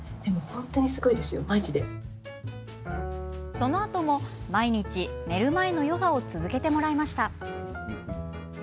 そのあとも毎日、寝る前のヨガを続けてもらいました。